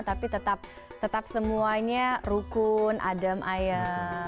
tapi tetap semuanya rukun adem ayem